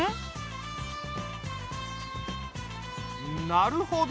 なるほど。